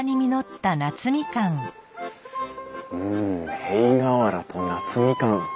うん塀瓦と夏みかん。